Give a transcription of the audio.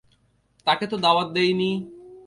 তাকে তো দাওয়াত দেইনি।